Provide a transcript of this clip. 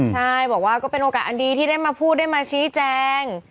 ใช่บอกว่าก็เป็นโอกาสอันดีที่ได้มาพูดได้มาชี้แจง